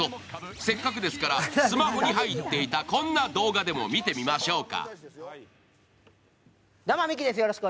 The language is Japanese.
せっかくですからスマホに入っていたこんな動画でも見てみましょうか。